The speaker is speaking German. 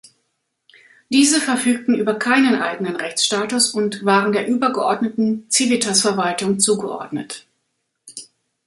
Diese verfügten über keinen eigenen Rechtsstatus und waren der übergeordneten Civitas-Verwaltung zugeordnet.